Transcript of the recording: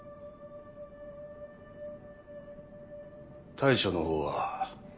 対処の方は？